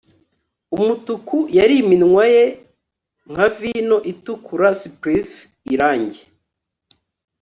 umutuku yari iminwa ye nka vino itukura-spilith irangi